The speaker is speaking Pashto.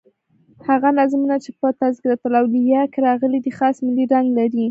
هغه نظمونه چي په "تذکرةالاولیاء" کښي راغلي دي خاص ملي رنګ لري.